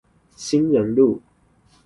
興仁路